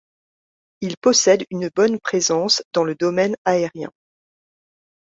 Il possède une bonne présence dans le domaine aérien.